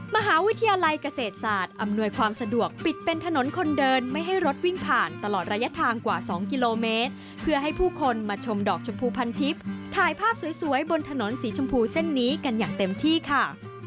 มหาวิทยาลัยเกษตรศาสตร์อำนวยความสะดวกปิดเป็นถนนคนเดินไม่ให้รถวิ่งผ่านตลอดระยะทางกว่า๒กิโลเมตรเพื่อให้ผู้คนมาชมดอกชมพูพันทิพย์ถ่ายภาพสวยบนถนนสีชมพูเส้นนี้กันอย่างเต็มที่ค่ะ